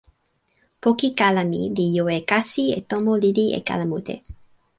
poki kala mi li jo e kasi e tomo lili e kala mute.